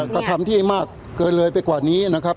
กระทำที่มากเกินเลยไปกว่านี้นะครับ